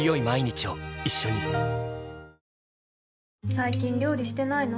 最近料理してないの？